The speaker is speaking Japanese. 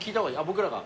僕らが？